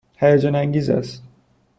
هیجان انگیز است.